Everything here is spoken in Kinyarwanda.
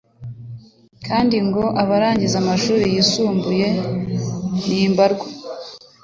kandi ngo abarangiza amashuri yisumbuye ni mbarwa